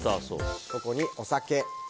ここに、お酒。